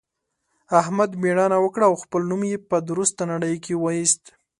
احمد مېړانه وکړه او خپل نوم يې په درسته نړۍ کې واېست.